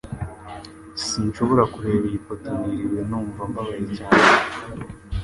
Sinshobora kureba iyi foto ntiriwe numva mbabaye cyane